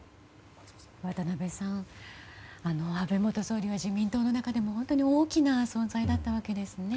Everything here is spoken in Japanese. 渡辺さん、安倍元総理は自民党の中でも本当に大きな存在だったわけですね。